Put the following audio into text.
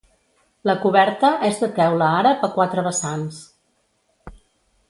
La coberta és de teula àrab a quatre vessants.